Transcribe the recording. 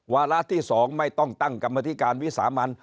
วาระที่๒ไม่ต้องตั้งกรรมธิการวิสามัน